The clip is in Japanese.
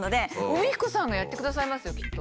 海彦さんがやってくださいますよきっと。